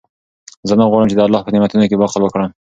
زه نه غواړم چې د الله په نعمتونو کې بخل وکړم.